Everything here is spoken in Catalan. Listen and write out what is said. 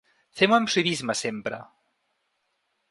Fem-ho amb civisme sempre!